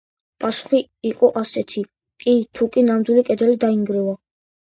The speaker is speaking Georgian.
პასუხი იყო ასეთი: „კი, თუკი ნამდვილი კედელი დაინგრევა“.